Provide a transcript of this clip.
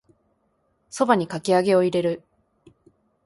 蕎麦にかき揚げを入れる